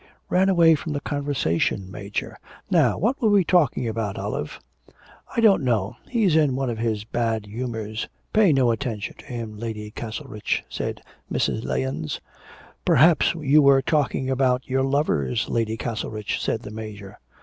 'Ran away from the conversation, Major! Now what were we talking about, Olive?' 'I don't know.... He's in one of his mad humours, pay no attention to him, Lady Castlerich,' said Mrs. Lahens. 'Perhaps you were talking about your lovers, Lady Castlerich,' said the Major.